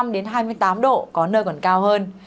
đến hai mươi tám độ có nơi còn cao hơn